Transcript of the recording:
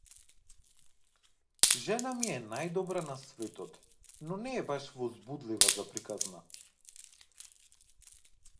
Жена ми е најдобра на светот, но не е баш возбудлива за приказна.